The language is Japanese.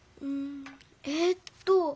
ええっと。